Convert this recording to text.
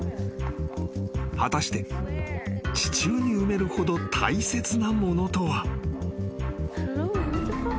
［果たして地中に埋めるほど大切なものとは］